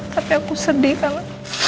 tapi aku sedih karena